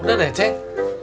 sudah deh ceng